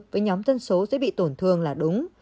với nhóm dân số sẽ bị tổn thương là đúng